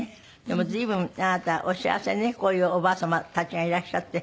でも随分あなたお幸せねこういうおばあ様たちがいらっしゃって。